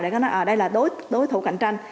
để nói đây là đối thủ cạnh tranh